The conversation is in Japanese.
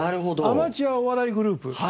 アマチュアお笑いグループ。